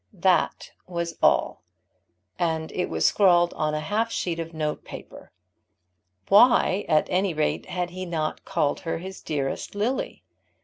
That was all, and it was scrawled on half a sheet of note paper. Why, at any rate, had he not called her his dearest Lily?